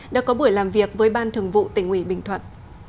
đã có buổi làm việc với ban thường vụ tỉnh ủy bình thuận